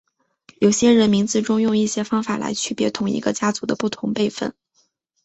有些人名字中用一些方法来区别同一个家族的不同辈分。